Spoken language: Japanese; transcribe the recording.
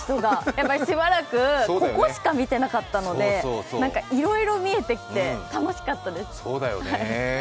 やっぱりしばらくここしか見てなかったのでいろいろ見えてきて楽しかったです。